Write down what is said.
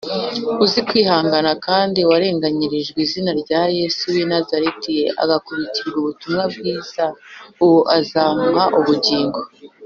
Uzi kwihangana kandi warenganirijwe izina rya Yesu w’I Nazareti agakubitirwa ubutumwa bwiza uwo nzamuha ubugingo.